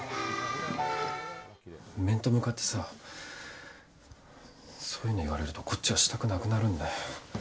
面と向かってさそういうの言われるとこっちはしたくなくなるんだよ。